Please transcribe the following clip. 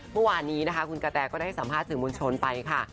เมื่อวานนี้นะคะคุณกะแตก็ได้ให้สัมภาษณ์สื่อมวลชนไปค่ะ